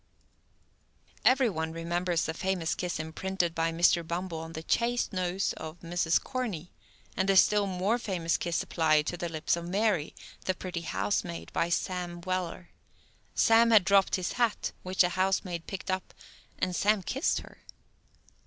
Every one remembers the famous kiss imprinted by Mr. Bumble on the "chaste nose" of Mrs. Corney; and the still more famous kiss applied to the lips of Mary, the pretty housemaid, by Sam Weller. Sam had dropped his hat, which the housemaid picked up, and Sam kissed her.